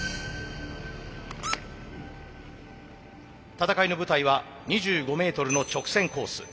戦いの舞台は２５ｍの直線コース。